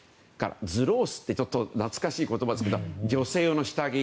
ズロースって懐かしい言葉ですけど女性用の下着。